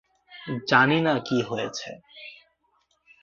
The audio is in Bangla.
জানি না কী হয়েছে।